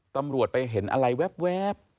ตำรวจไปเห็นอะไรแว๊บ